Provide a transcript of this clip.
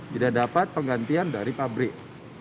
tidak dapat penggantian dari pabrik